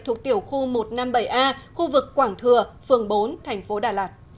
thuộc tiểu khu một trăm năm mươi bảy a khu vực quảng thừa phường bốn thành phố đà lạt